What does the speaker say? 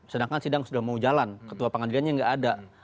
sedangkan sidang sudah mau jalan ketua pengadilannya nggak ada